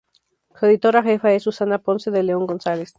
Su editora jefa es Susana Ponce de León González.